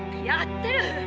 やってる！